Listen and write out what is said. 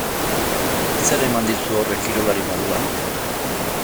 Zer eman dizu horrek kirolari moduan?